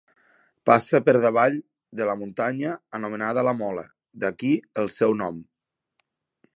Passa per davall de la muntanya anomenada La Mola, d'aquí el seu nom.